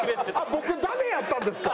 僕ダメやったんですか？